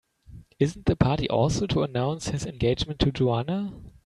Isn't the party also to announce his engagement to Joanna?